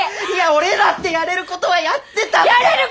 いや俺だってやれることはやってたって！